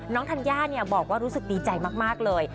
น้องธัญญาเนี่ยบอกว่ารู้สึกดีใจมากเลย